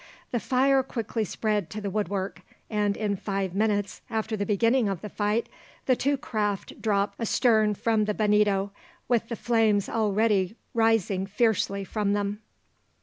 The fire quickly spread to the woodwork, and in five minutes after the beginning of the fight, the two craft dropped astern from the Bonito, with the flames already rising fiercely from them.